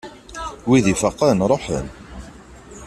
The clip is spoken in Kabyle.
Wid ifaqen ṛuḥen!